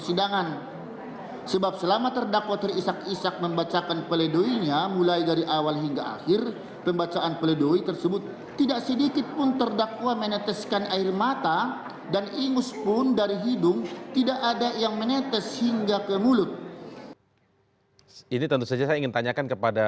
ini tentu saja saya ingin tanyakan kepada bang reza